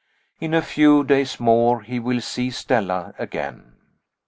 In a few days more he will see Stella again.